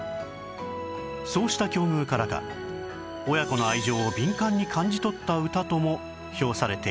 そうした境遇からか親子の愛情を敏感に感じ取った歌とも評されています